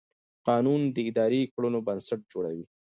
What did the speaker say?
قانون د ادارې د کړنو بنسټ جوړوي.